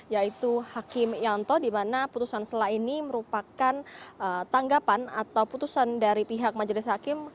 yaitu hakim yanto di mana putusan selah ini merupakan tanggapan atau putusan dari pihak majelis hakim